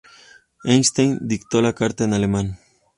Einstein dictó la carta en alemán.